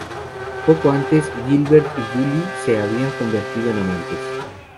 Poco antes, Guibert y Julie se habían convertido en amantes.